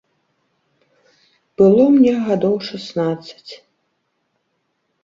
Было мне гадоў шаснаццаць.